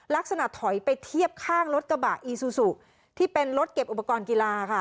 ลักษณะถอยไปเทียบข้างรถกระบะอีซูซูที่เป็นรถเก็บอุปกรณ์กีฬาค่ะ